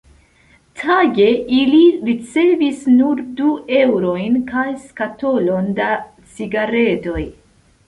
Tage ili ricevis nur du eŭrojn kaj skatolon da cigaredoj.